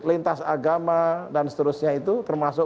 lintas agama dan seterusnya itu termasuk